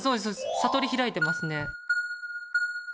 悟り開いてますね。